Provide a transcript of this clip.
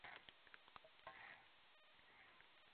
kwa hiyo wamama wa vijana ambao hawakuzoea vurugu